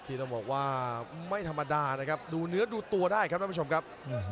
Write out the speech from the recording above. ที่ต้องบอกว่าไม่ธรรมดานะครับดูเนื้อดูตัวได้ครับท่านผู้ชมครับ